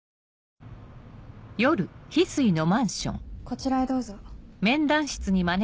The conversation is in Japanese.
こちらへどうぞ。